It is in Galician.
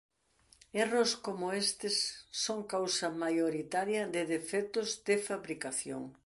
Erros como estes son causa maioritaria de defectos de fabricación.